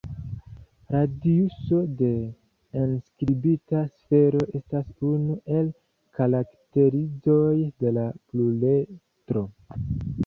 Radiuso de enskribita sfero estas unu el karakterizoj de la pluredro.